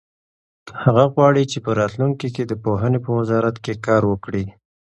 هغه غواړي چې په راتلونکي کې د پوهنې په وزارت کې کار وکړي.